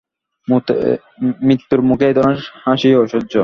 মৃতের মুখে এ ধরনের হাসি অসহ্য।